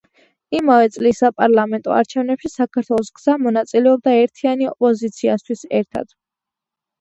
იმავე წლის საპარლამენტო არჩევნებში საქართველოს გზა მონაწილეობდა ერთიანი ოპოზიციასთან ერთად.